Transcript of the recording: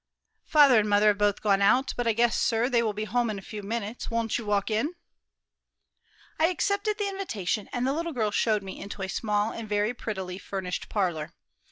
"Father and mother are both gone out; but I guess, sir, they will be home in a few moments: won't you walk in?" I accepted the invitation, and the little girl showed me into a small and very prettily furnished parlor.